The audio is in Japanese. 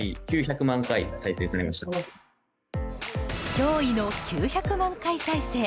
驚異の９００万回再生。